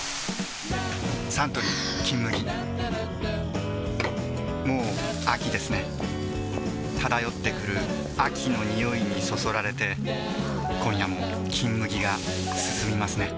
サントリー「金麦」もう秋ですね漂ってくる秋の匂いにそそられて今夜も「金麦」がすすみますね